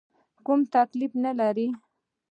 کوم تکلیف نه لرې؟